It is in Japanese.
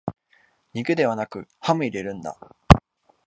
肉ではなくハム入れるんだ